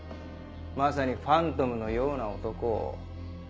まさにファントムのような男を。